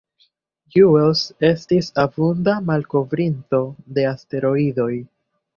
Juels estis abunda malkovrinto de asteroidoj.